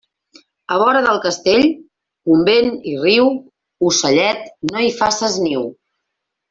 A vora de castell, convent i riu, ocellet, no hi faces niu.